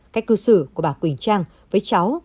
cách cư xử của bà quỳnh trang với cháu